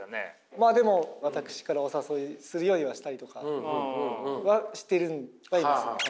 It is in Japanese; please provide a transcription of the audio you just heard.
まあでも私からお誘いするようにはしたりとかはしてるんです。